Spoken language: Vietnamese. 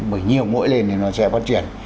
bởi nhiều mũi lên thì nó sẽ phát triển